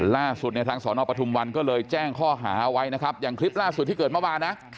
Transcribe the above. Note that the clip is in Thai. ล่าสุดเนี่ยทางสอนอปทุมวันก็เลยแจ้งข้อหาเอาไว้นะครับอย่างคลิปล่าสุดที่เกิดเมื่อวานนะ